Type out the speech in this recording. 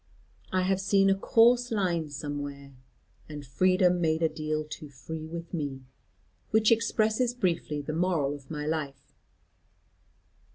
I have seen a coarse line somewhere, "'And freedom made a deal too free with me,' which expresses briefly the moral of my life.